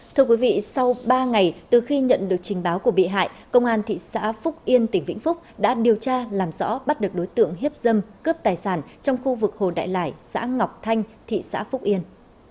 thưa quý vị sau ba ngày từ khi nhận được trình báo của bị hại công an thị xã phúc yên tỉnh vĩnh phúc đã điều tra làm rõ bắt được đối tượng hiếp dâm cướp tài sản trong khu vực hồ đại lải xã ngọc thanh thị xã phúc yên